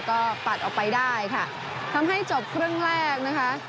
ก็ปัดออกไปได้ค่ะทำให้จบครึ่งแรกนะคะ